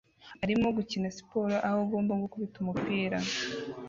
arimo gukina siporo aho agomba gukubita umupira